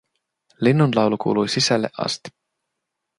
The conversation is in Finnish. Linnunlaulu kuului sisälle asti